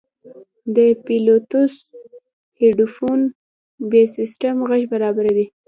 د بلوتوث هیډفون بېسیم غږ برابروي.